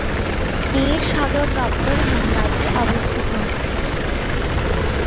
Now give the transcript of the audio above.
এর সদর দপ্তর মুম্বাইতে অবস্থিত।